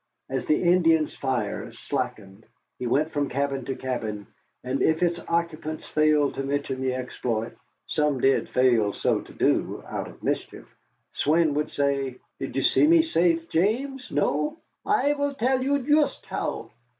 As the Indians' fire slackened, he went from cabin to cabin, and if its occupants failed to mention the exploit (some did fail so to do, out of mischief), Swein would say: "You did not see me safe James, no? I vill tell you joost how."